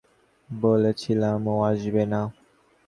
বলেছিলাম, ও আসবে না।